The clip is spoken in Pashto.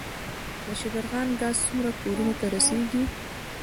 د شبرغان ګاز څومره کورونو ته رسیږي؟